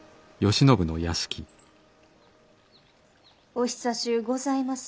お久しゅうございます。